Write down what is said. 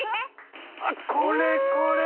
あこれこれ！